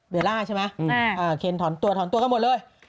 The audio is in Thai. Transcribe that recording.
เวลาใช่ไหมเคนถอนตัวถอนตัวกันหมดเลย